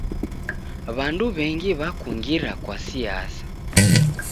W'andu w'engi w'akungira kwa siasa.